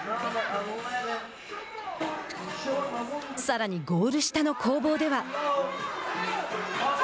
さらに、ゴール下の攻防では。